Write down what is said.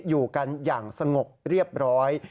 อยู่กันอย่างสงบเรียบร้อย